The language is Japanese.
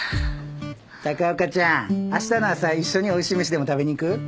高岡ちゃんあしたの朝一緒においしい飯でも食べに行く？